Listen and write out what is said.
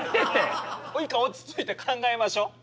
一回落ち着いて考えましょう。